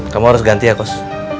kamu harus ganti ya coach